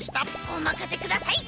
おまかせください！